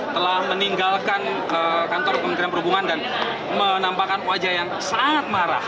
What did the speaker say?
telah meninggalkan kantor kementerian perhubungan dan menampakkan wajah yang sangat marah